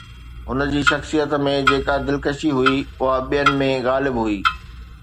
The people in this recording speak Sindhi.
هن جي شخصيت ۾ جيڪا دلڪشي هئي، اها ٻين ۾ غائب هئي.